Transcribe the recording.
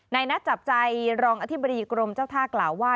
นัดจับใจรองอธิบดีกรมเจ้าท่ากล่าวว่า